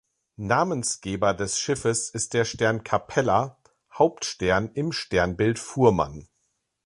Namensgeber des Schiffes ist der Stern Capella, Hauptstern im Sternbild Fuhrmann.